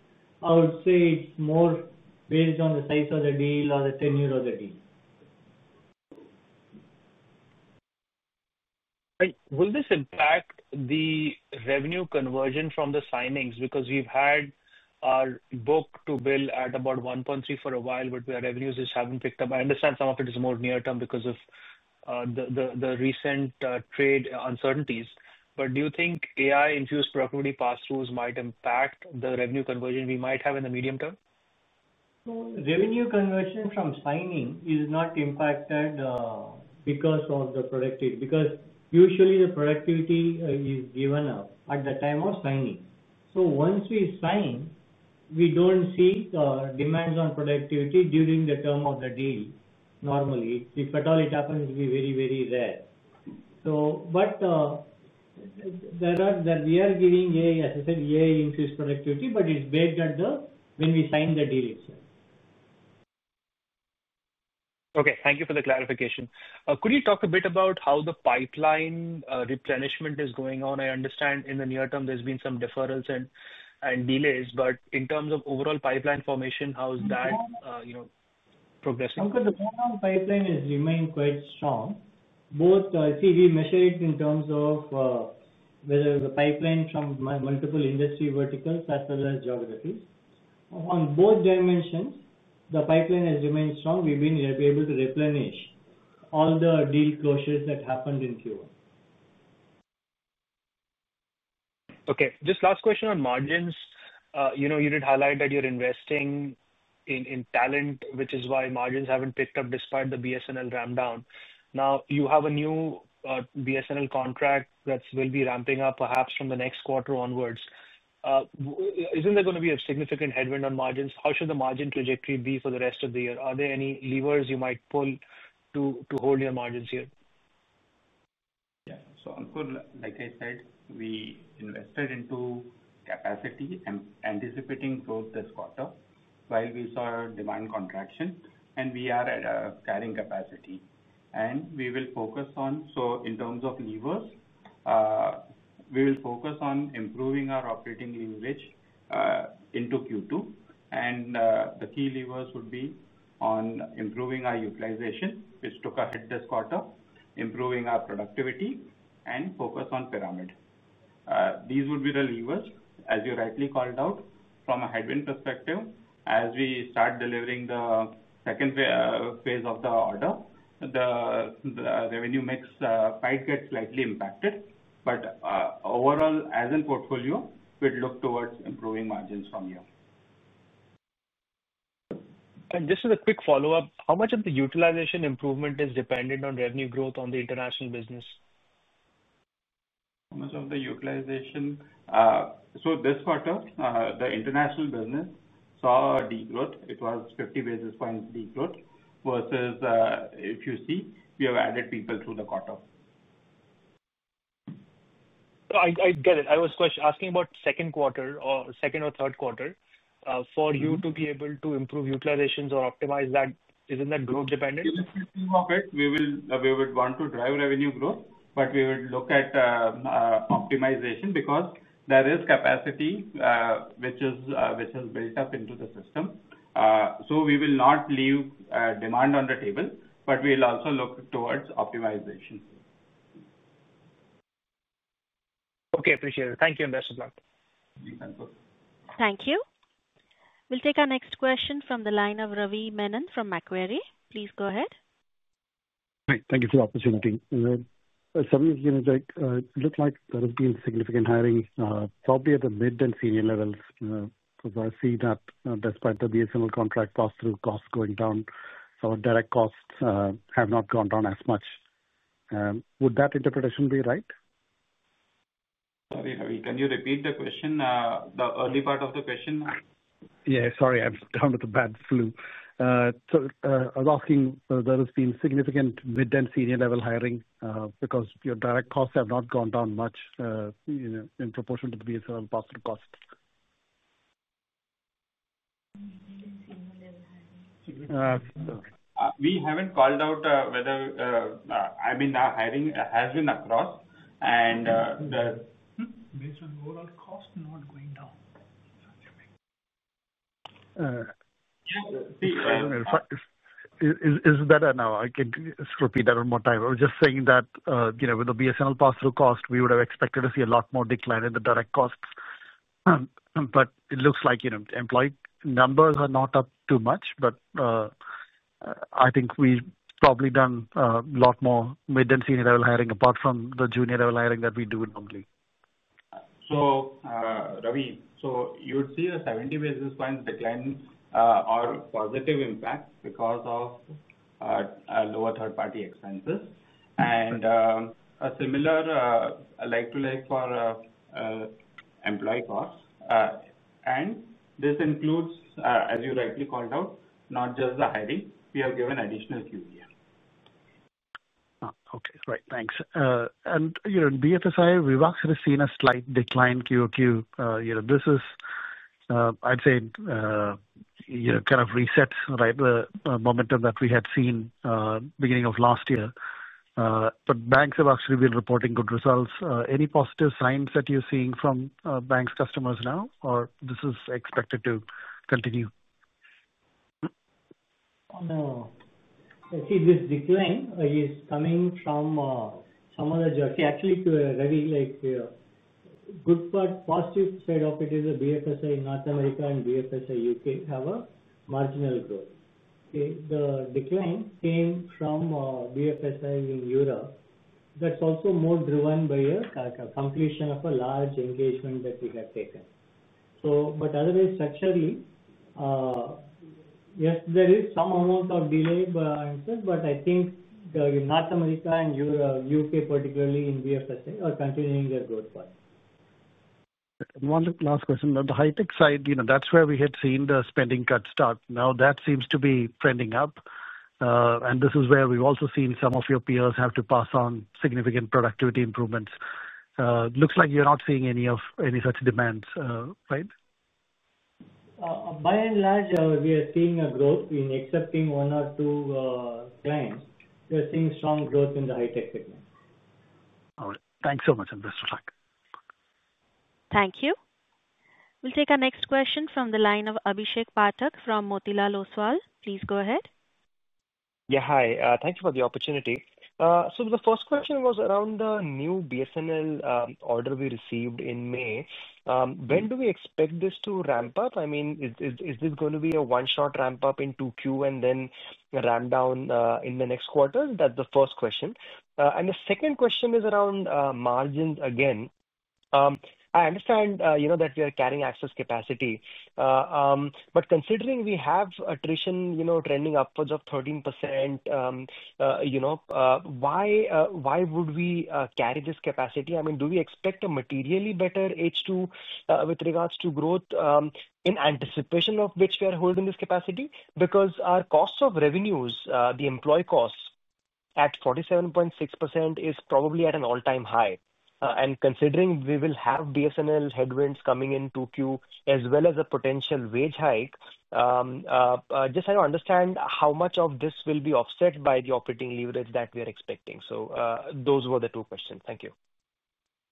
I would say it's more based on the size of the deal or the tenure of the deal. Will this impact the revenue conversion from the signings? Because we've had our book to bill at about 1.3 for a while, but our revenues just haven't picked up. I understand some of it is more near-term because of the recent trade uncertainties. Do you think AI-infused productivity pass-throughs might impact the revenue conversion we might have in the medium term? Revenue conversion from signing is not impacted because of the productivity. Usually, the productivity is given up at the time of signing. Once we sign, we don't see demands on productivity during the term of the deal, normally. If at all, it happens to be very, very rare. We are giving AI, as I said, AI-infused productivity, but it's based on when we sign the deal itself. Okay. Thank you for the clarification. Could you talk a bit about how the pipeline replenishment is going on? I understand in the near term, there's been some deferrals and delays. In terms of overall pipeline formation, how is <crosstalk> that progressing? Ankur, the overall pipeline has remained quite strong. Both, see, we measure it in terms of whether the pipeline from multiple industry verticals as well as geographies. On both dimensions, the pipeline has remained strong. We've been able to replenish all the deal closures that happened in Q1. Okay. Just last question on margins. You did highlight that you're investing in talent, which is why margins haven't picked up despite the BSNL ramp down. Now, you have a new BSNL contract that will be ramping up perhaps from the next quarter onwards. Is not there going to be a significant headwind on margins? How should the margin trajectory be for the rest of the year? Are there any levers you might pull to hold your margins here? Yeah. So, Ankur, like I said, we invested into capacity and anticipating growth this quarter while we saw demand contraction. We are at carrying capacity. We will focus on, so in terms of levers, we will focus on improving our operating leverage into Q2. The key levers would be on improving our utilization, which took a hit this quarter, improving our productivity, and focus on pyramid. These would be the levers, as you rightly called out, from a headwind perspective. As we start delivering the second phase of the order, the revenue mix might get slightly impacted. But overall, as a portfolio, we'd look towards improving margins from here. Just as a quick follow-up, how much of the utilization improvement is dependent on revenue growth on the international business? How much of the utilization? This quarter, the international business saw a de-growth. It was 50 basis points de-growth versus if you see, we have added people through the quarter. I get it. I was asking about second quarter or second or third quarter. For you to be able to improve utilizations or optimize that, isn't that growth-dependent? Yes. In the future of it, we would want to drive revenue growth, but we would look at optimization because there is capacity which has built up into the system. We will not leave demand on the table, but we'll also look towards optimization. Okay. Appreciate it. Thank you, Best of luck. Thank you. We'll take our next question from the line of Ravi Menon from Macquarie. Please go ahead. Great. Thank you for the opportunity. Sudhir, it looks like there has been significant hiring, probably at the mid and senior levels, because I see that despite the BSNL contract pass-through costs going down, our direct costs have not gone down as much. Would that interpretation be right? Sorry, Ravi, can you repeat the question? The early part of the question? Yeah. Sorry, I'm down with a bad flu. So I was asking whether there has been significant mid and senior-level hiring because your direct costs have not gone down much in proportion to the BSNL pass-through costs. We haven't called out whether, I mean, our hiring has been across, and based on overall costs not going down? <audio distortion> Is that a no? I can just repeat that one more time. I was just saying that with the BSNL pass-through cost, we would have expected to see a lot more decline in the direct costs. It looks like employee numbers are not up too much, but I think we've probably done a lot more mid and senior-level hiring apart from the junior-level hiring that we do normally. Ravi, you would see a 70 basis points decline or positive impact because of lower third-party expenses. A similar like-to-like for employee costs. This includes, as you rightly called out, not just the hiring. We have given additional QVA here. Okay. Right. Thanks. In BFSI, we've actually seen a slight decline Q-o-Q. This is, I'd say, kind of reset the momentum that we had seen beginning of last year. Banks have actually been reporting good results. Any positive signs that you're seeing from banks' customers now, or this is expected to continue? No. See, this decline is coming from some of the, actually, to a very good part, positive side of it is the BFSI North America and BFSI U.K. have a marginal growth. The decline came from BFSI in Europe. That is also more driven by a completion of a large engagement that we have taken. Otherwise, structurally, yes, there is some amount of delay, but I think North America and U.K., particularly in BFSI, are continuing their growth path. One last question. The high-tech side, that is where we had seen the spending cut start. Now, that seems to be trending up. This is where we've also seen some of your peers have to pass on significant productivity improvements. Looks like you're not seeing any such demands, right? By and large, we are seeing a growth in accepting one or two clients. We are seeing strong growth in the high-tech segment. All right. Thanks so much, Best of luck. Thank you. We'll take our next question from the line of Abhishek Pathak from Motilal Oswal. Please go ahead. Yeah. Hi. Thank you for the opportunity. The first question was around the new BSNL order we received in May. When do we expect this to ramp up? I mean, is this going to be a one-shot ramp-up into Q and then a ramp-down in the next quarter? That's the first question. The second question is around margins again. I understand that we are carrying excess capacity. Considering we have attrition trending upwards of 13%, why would we carry this capacity? I mean, do we expect a materially better H2 with regards to growth in anticipation of which we are holding this capacity? Because our cost of revenues, the employee cost at 47.6%, is probably at an all-time high, and considering we will have BSNL headwinds coming into Q as well as a potential wage hike, I just do not understand how much of this will be offset by the operating leverage that we are expecting? Those were the two questions. Thank you.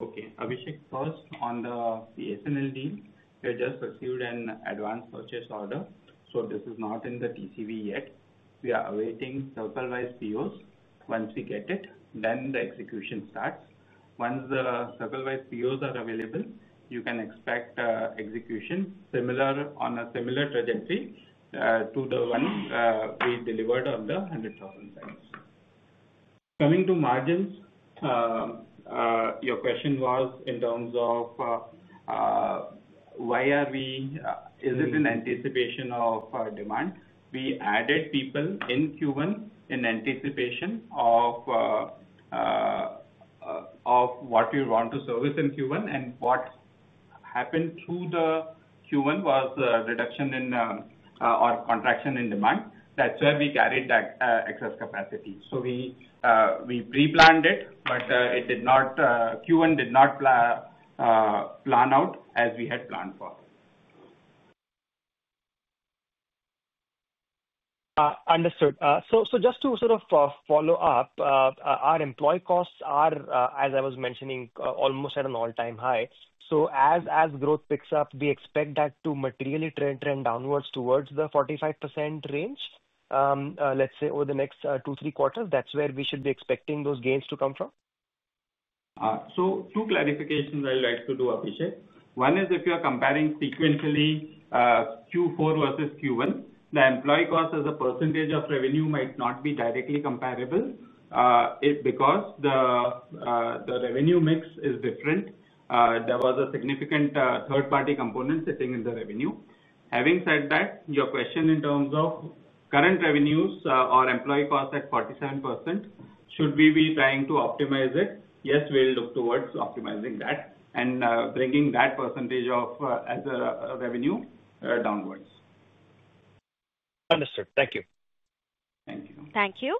Okay. Abhishek, first, on the BSNL deal, we have just received an advance purchase order. This is not in the TCV yet. We are awaiting circle-wise POs. Once we get it, then the execution starts. Once the circle-wise POs are available, you can expect execution on a similar trajectory to the one we delivered on the 100,000 cells. Coming to margins, your question was in terms of, why are we, is it in anticipation of demand? We added people in Q1 in anticipation of what we want to service in Q1. What happened through the Q1 was a reduction in, or contraction in, demand. That is where we carried that excess capacity. We pre-planned it, but Q1 did not plan out as we had planned for. Understood. Just to sort of follow up, our employee costs are, as I was mentioning, almost at an all-time high. As growth picks up, we expect that to materially trend downwards towards the 45% range, let's say over the next two-three quarters. That is where we should be expecting those gains to come from? Two clarifications I would like to do, Abhishek. One is, if you are comparing sequentially Q4 versus Q1, the employee cost as a percentage of revenue might not be directly comparable because the, revenue mix is different. There was a significant third-party component sitting in the revenue. Having said that, your question in terms of current revenues or employee cost at 47%, should we be trying to optimize it? Yes, we'll look towards optimizing that and bringing that percentage of revenue downwards. Understood. Thank you. Thank you. Thank you.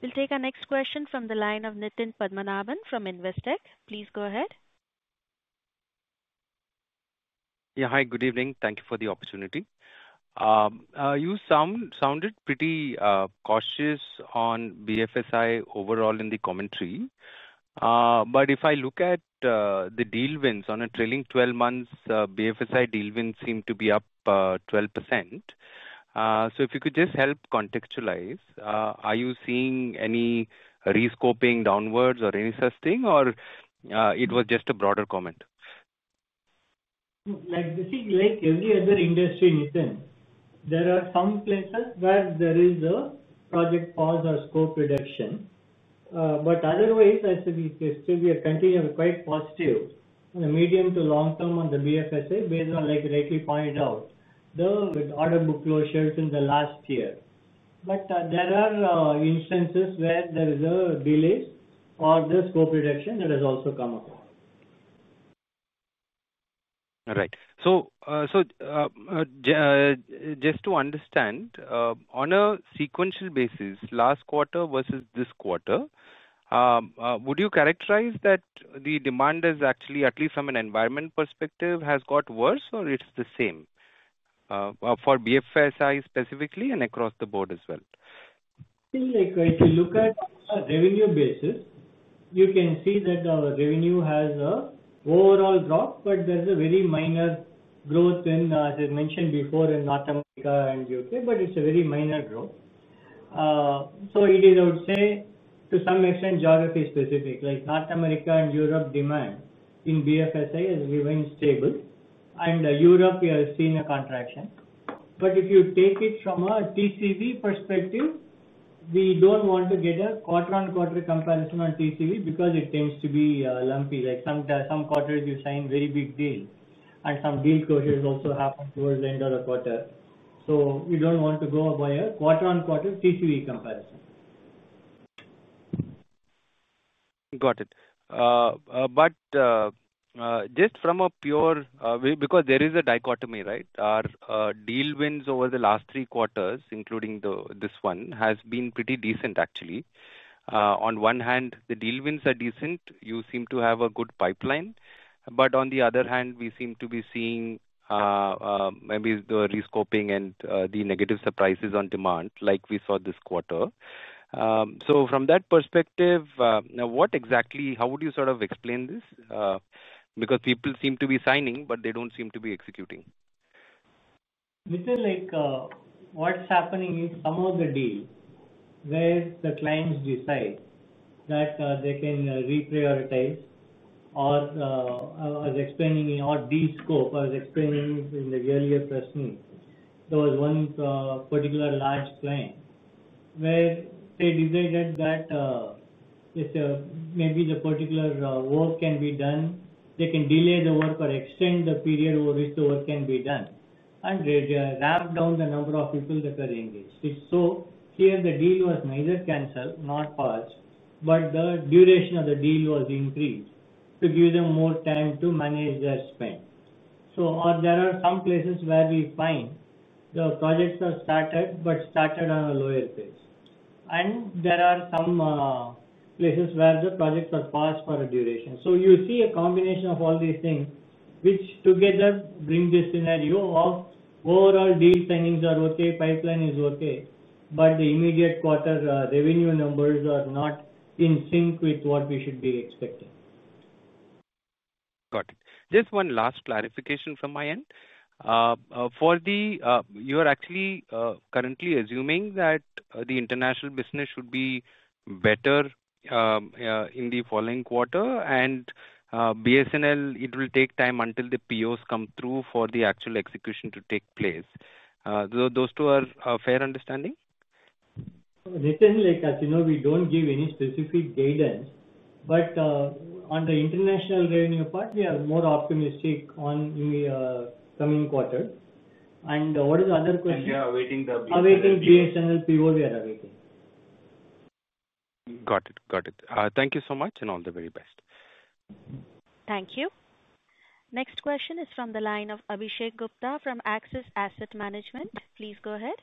We'll take our next question from the line Nitin Padmanabhan from Investech. Please go ahead. Yeah. Hi. Good evening. Thank you for the opportunity. You sounded pretty cautious on BFSI overall in the commentary. If I look at the deal wins on a trailing 12 months, BFSI deal wins seem to be up 12%. If you could just help contextualize, are you seeing any rescoping downwards or any such thing, or it was just a broader comment? See, like every other industry, Nitin, there are some places where there is a project pause or scope reduction. Otherwise, I say we continue to be quite positive on a medium to long term on the BFSI, based on, like rightly pointed out, the order book closures in the last year. There are instances where there are delays or the scope reduction that has also come up. Right. Just to understand. On a sequential basis, last quarter versus this quarter. Would you characterize that the demand has actually, at least from an environment perspective, has got worse, or it's the same? For BFSI specifically and across the board as well. See, if you look at a revenue basis, you can see that our revenue has an overall drop, but there's a very minor growth in, as I mentioned before, in North America and U.K., but it's a very minor growth. It is, I would say, to some extent, geography-specific. North America and Europe demand in BFSI has remained stable. Europe, we have seen a contraction. If you take it from a TCV perspective, we don't want to get a quarter-on-quarter comparison on TCV because it tends to be lumpy. Some quarters, you sign very big deals, and some deal closures also happen towards the end of the quarter. We don't want to go by a quarter-on-quarter TCV comparison. Got it. Just from a pure, because there is a dichotomy, right? Our deal wins over the last three quarters, including this one, have been pretty decent, actually. On one hand, the deal wins are decent. You seem to have a good pipeline. On the other hand, we seem to be seeing maybe the rescoping and the negative surprises on demand, like we saw this quarter. From that perspective, what exactly, how would you sort of explain this? Because people seem to be signing, but they do not seem to be executing. Nitin, what is happening is some of the deals where the clients decide that they can reprioritize, or as I was explaining or de-scope, I was explaining in the earlier question, there was one particular large client where they decided that maybe the particular work can be done, they can delay the work or extend the period over which the work can be done, and they ramped down the number of people that were engaged. Here, the deal was neither canceled nor paused, but the duration of the deal was increased to give them more time to manage their spend. There are some places where we find the projects are started but started on a lower pace. There are some places where the projects are paused for a duration. You see a combination of all these things, which together bring this scenario of overall deal signings are okay, pipeline is okay, but the immediate quarter revenue numbers are not in sync with what we should be expecting. Got it. Just one last clarification from my end. For the, you are actually currently assuming that the international business should be better in the following quarter, and BSNL, it will take time until the POs come through for the actual execution to take place. Those two are a fair understanding? Nitin, as you know, we don't give any specific guidance. On the international revenue part, we are more optimistic on the coming quarter. What is the other question? Awaiting the BSNL PO. We are awaiting. Got it. Got it. Thank you so much and all the very best. Thank you. Next question is from the line of Abhishek Gupta from Axis Asset Management. Please go ahead.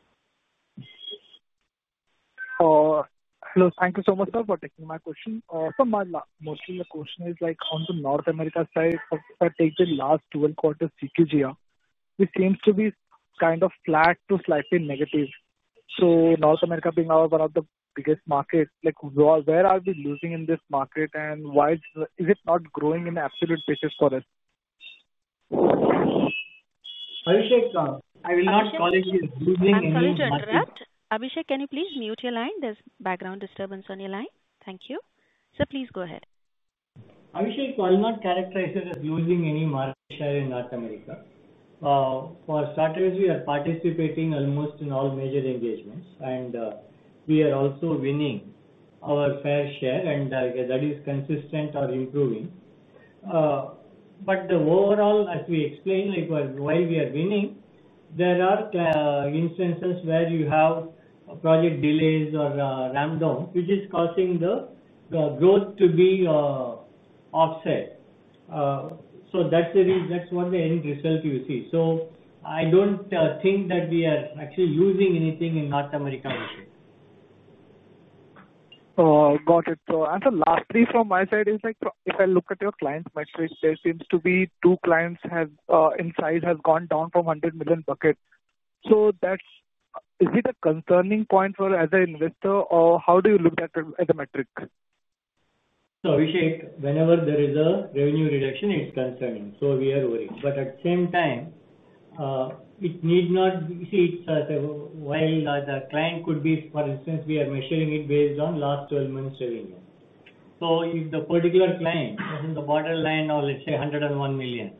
Hello. Thank you so much, sir, for taking my question. Mostly, the question is on the North America side. If I take the last 12 quarters CQGR, it seems to be kind of flat to slightly negative. North America being one of the biggest markets, where are we losing in this market, and is it not growing in absolute basis for us? <crosstalk> Abhishek, can you please mute your line? There is background disturbance on your line. Thank you. Sir, please go ahead. Abhishek, I will not characterize it as losing any market share in North America. For starters, we are participating almost in all major engagements, and we are also winning our fair share, and that is consistent or improving. Overall, as we explained, while we are winning, there are instances where you have project delays or ramp-downs, which is causing the growth to be offset. That is what the end result you see. I do not think that we are actually losing anything in North America, Abhishek. Got it. The last three from my side is, if I look at your client metrics, there seems to be two clients in size have gone down from $100 million bucket. Is it a concerning point for, as an investor, or how do you look at the metric? Abhishek, whenever there is a revenue reduction, it is concerning. We are worried. At the same time, it need not be. See, while the client could be, for instance, we are measuring it based on last twelve months' revenue. If the particular client is in the borderline of, let's say, $101 million,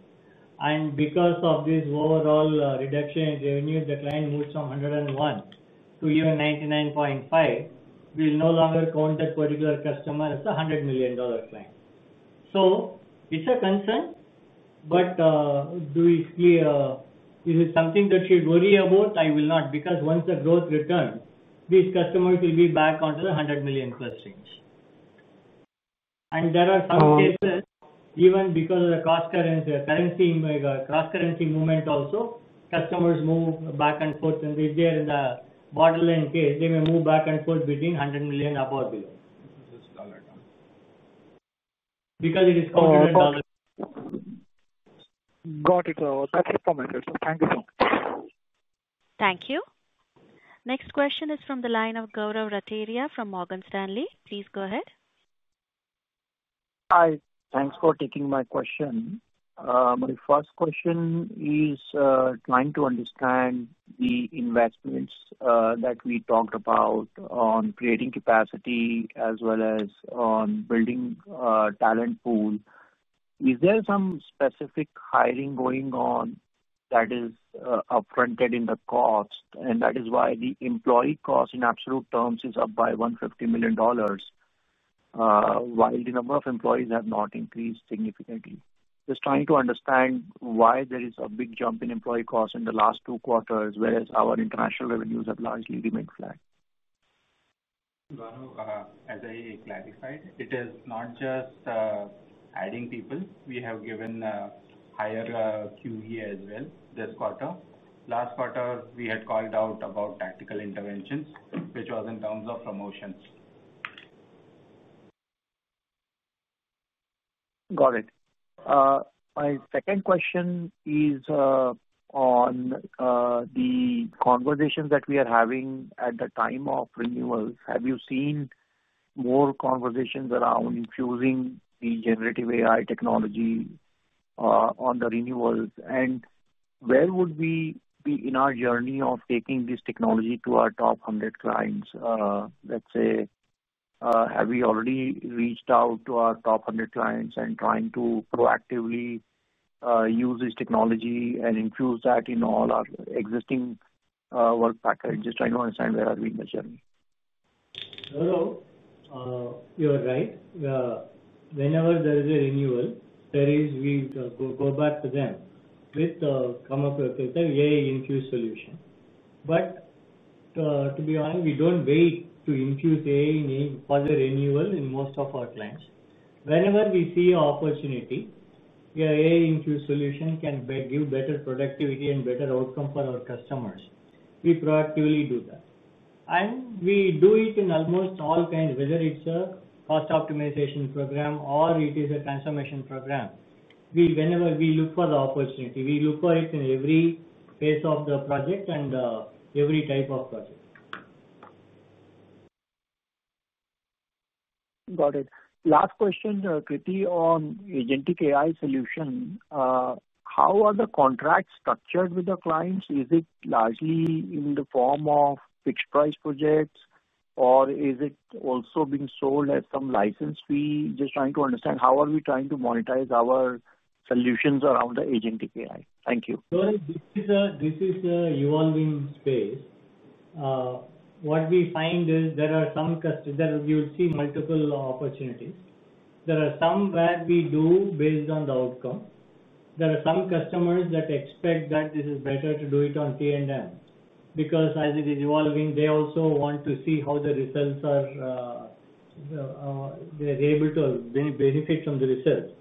and because of this overall reduction in revenue, the client moves from $101 million to even $99.5 million, we will no longer count that particular customer as a $100 million client. So, It is a concern. Is it something that you should worry about? I will not. Because once the growth returns, these customers will be back onto the $100 million plus range. There are some cases, even because of the cross-currency movement also, customers move back and forth. If they are in the borderline case, they may move back and forth between $100 million up or below because it is counted in dollars. Got it. That is informative. Thank you so much. Thank you. Next question is from the line of Gaurav Rateria from Morgan Stanley. Please go ahead. Hi. Thanks for taking my question. My first question is trying to understand the investments that we talked about on creating capacity as well as on building a talent pool. Is there some specific hiring going on that is upfronted in the cost? That is why the employee cost, in absolute terms, is up by $150 million, while the number of employees have not increased significantly? Just trying to understand why there is a big jump in employee cost in the last two quarters, whereas our international revenues have largely remained flat. As I clarified, it is not just adding people. We have given a higher QVA as well this quarter. Last quarter, we had called out about tactical interventions, which was in terms of promotions. Got it. My second question is on the conversations that we are having at the time of renewals. Have you seen more conversations around infusing the generative AI technology on the renewals? And where would we be in our journey of taking this technology to our top 100 clients? Let's say, have we already reached out to our top 100 clients and trying to proactively use this technology and infuse that in all our existing work package? Just trying to understand where are we in the journey. Hello. You're right. Whenever there is a renewal, there is, we go back to them with a come-up with an AI-infused solution. To be honest, we don't wait to infuse AI for the renewal in most of our clients. Whenever we see an opportunity, the AI-infused solution can give better productivity and better outcome for our customers, we proactively do that. We do it in almost all kinds, whether it's a cost optimization program or it is a transformation program. Whenever we look for the opportunity, we look for it in every phase of the project and every type of project. Got it. Last question, Krithi, on agentic AI solution. How are the contracts structured with the clients? Is it largely in the form of fixed-price projects, or is it also being sold as some license fee? Just trying to understand how are we trying to monetize our solutions around the agentic AI. Thank you. This is an evolving space. What we find is there are some customers that you'll see multiple opportunities. There are some where we do based on the outcome. There are some customers that expect that this is better to do it on T&M. Because as it is evolving, they also want to see how the results are. They're able to benefit from the results.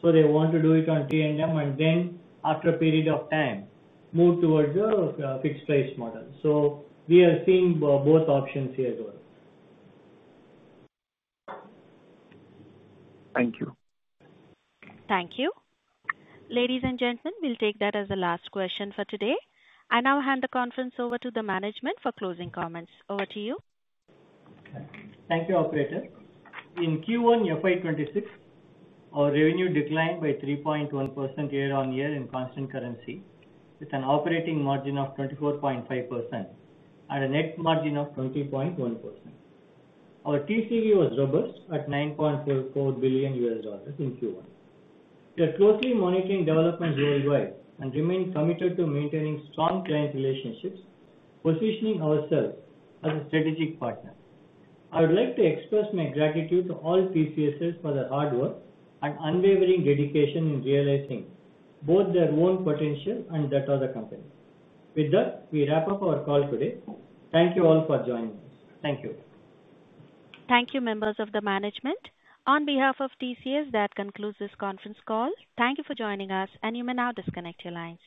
So they want to do it on T&M, and then after a period of time, move towards a fixed-price model. We are seeing both options here as well. Thank you. Thank you. Ladies and gentlemen, we'll take that as the last question for today. I now hand the conference over to the management for closing comments. Over to you. Thank you, operator. In Q1, FY'26, our revenue declined by 3.1% year-on-year in constant currency, with an operating margin of 24.5% and a net margin of 20.1%. Our TCV was robust at $9.44 billion in Q1. We are closely monitoring developments worldwide and remain committed to maintaining strong client relationships, positioning ourselves as a strategic partner. I would like to express my gratitude to all TCSers for their hard work and unwavering dedication in realizing both their own potential and that of the company. With that, we wrap up our call today. Thank you all for joining us. Thank you. Thank you, members of the management. On behalf of TCS, that concludes this conference call. Thank you for joining us, and you may now disconnect your lines.